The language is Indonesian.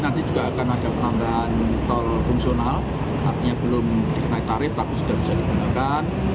nanti juga akan ada penambahan tol fungsional artinya belum dikenai tarif tapi sudah bisa digunakan